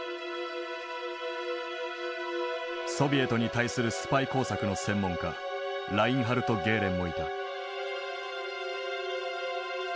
ソビエトに対するスパイ工作の専門家ラインハルト・ゲーレンもいた。